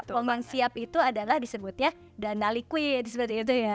tombang siap itu adalah disebutnya dana liquid seperti itu ya